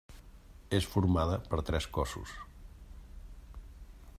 És formada per tres cossos.